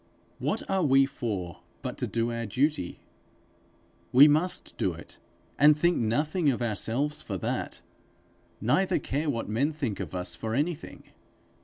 What are we for but to do our duty? We must do it, and think nothing of ourselves for that, neither care what men think of us for anything.